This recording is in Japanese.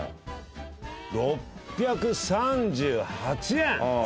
６３８円。